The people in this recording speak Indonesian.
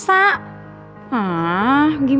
says hatianya berguna